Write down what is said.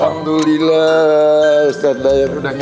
alhamdulillah ustadz bayat udah nyampe lagi